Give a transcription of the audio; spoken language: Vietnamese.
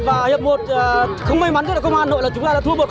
và hiệp một không may mắn cho công an hà nội là chúng ta đã thua một